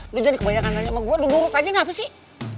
lo jadi kebanyakan tanya sama gue lo buruk aja ngapasih